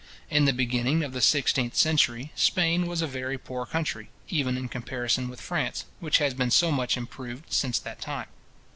In the beginning of the sixteenth century, Spain was a very poor country, even in comparison with France, which has been so much improved since that time.